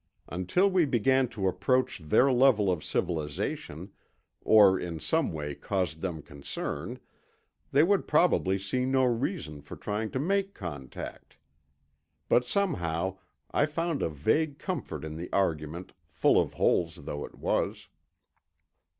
Until we began to approach their level of civilization, or in some way caused them concern, they would probably see no reason for trying to make contact. But somehow I found a vague comfort in the argument, full of holes though it was.